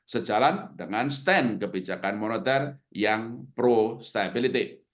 sejalan dengan stand kebijakan moneter yang prostability